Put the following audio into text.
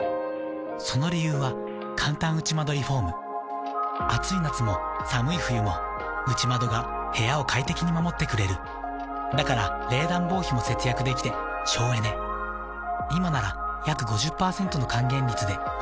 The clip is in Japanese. その理由はかんたん内窓リフォーム暑い夏も寒い冬も内窓が部屋を快適に守ってくれるだから冷暖房費も節約できて省エネ「内窓プラマードＵ」ＹＫＫＡＰ